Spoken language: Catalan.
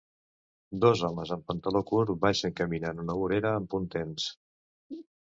Dos homes en pantaló curt baixen caminant una vorera amb puntents